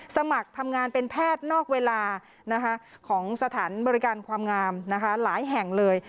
สมัครทำงานเป็นแพทย์นอกเวลาของสถานบริการความงามหลายแห่งเลย